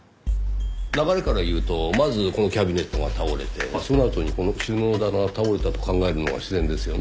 流れからいうとまずこのキャビネットが倒れてそのあとにこの収納棚が倒れたと考えるのが自然ですよね。